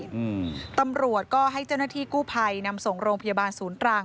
อืมตำรวจก็ให้เจ้าหน้าที่กู้ภัยนำส่งโรงพยาบาลศูนย์ตรัง